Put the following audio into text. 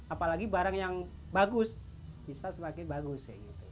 apalagi barang yang bagus bisa semakin bagus